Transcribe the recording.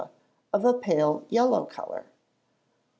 of a pale yellow colour?